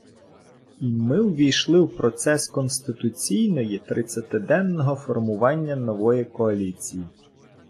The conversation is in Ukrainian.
І ми ввійшли в процес конституційної тридцятиденного формування нової коаліції